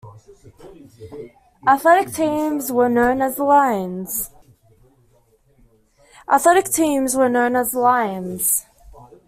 Athletic teams were known as the Lions.